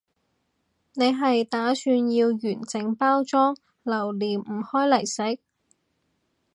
你係打算要完整包裝留念唔開嚟食？